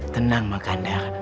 tenang mak kandar